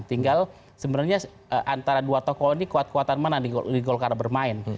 tinggal sebenarnya antara dua tokoh ini kuat kuatan mana di golkar bermain